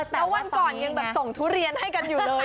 แล้ววันก่อนยังแบบส่งทุเรียนให้กันอยู่เลย